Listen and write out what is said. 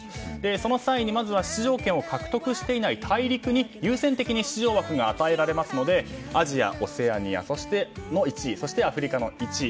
その際にまずは出場権を獲得していない大陸に優先的に出場枠が与えられますのでアジア・オセアニアの１位そして、アフリカの１位。